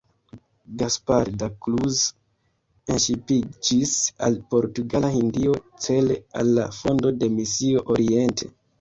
Gaspar da Cruz enŝipiĝis al Portugala Hindio cele al la fondo de misio Oriente.